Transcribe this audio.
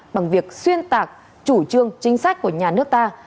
bằng việc xuyên tạc chủ trương chính sách của nhà nước ta